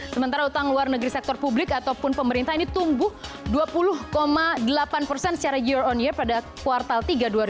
sementara utang luar negeri sektor publik ataupun pemerintah ini tumbuh dua puluh delapan persen secara year on year pada kuartal tiga dua ribu dua puluh